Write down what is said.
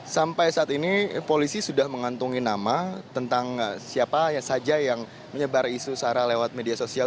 sampai saat ini polisi sudah mengantungi nama tentang siapa saja yang menyebar isu sara lewat media sosial